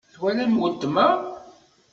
Twalam weltma?